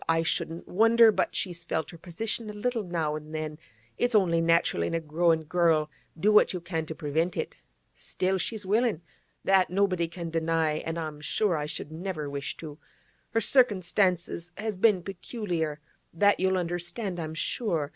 I shouldn't wonder but she's felt her position a little now an' then; it's only natural in a growin' girl, do what you can to prevent it. Still, she's willin'; that nobody can deny, an' I'm sure I should never wish to. Her cirkinstances has been peculiar; that you'll understand, I'm sure.